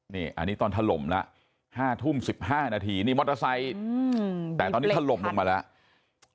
นี่อันนี้ตอนถล่มแล้ว๕ทุ่ม๑๕นาทีนี่มอเตอร์ไซค์แต่ตอนนี้ถล่มลงมาแล้ว